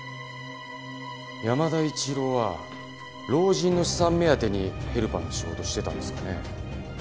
山田一郎は老人の資産目当てにヘルパーの仕事してたんですかね？